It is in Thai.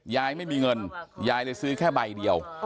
ยายไม่มีเงินยายเลยซื้อแค่ใบเดียว